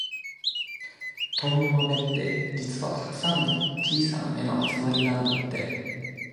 トンボの目って、実はたくさんの小さな目の集まりなんだって。